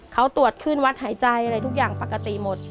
เขาตรวจขึ้นวัดหายใจอะไรทุกอย่างปกติหมด